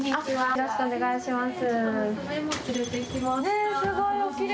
よろしくお願いします。